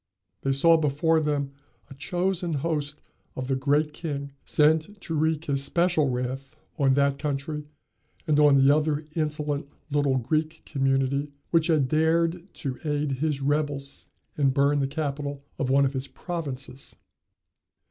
They saw before them a chosen host of the great king, sent to wreak his special wrath on that country and on the other insolent little Greek community which had dared to aid his rebels and burn the capital of one of his provinces.